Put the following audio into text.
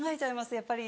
やっぱり。